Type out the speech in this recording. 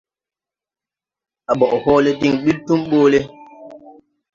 À ɓɔʼ hɔɔlɛ diŋ ɓil tomɓole.